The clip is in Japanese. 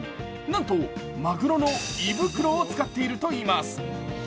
なんと、まぐろの胃袋を使っているといいます。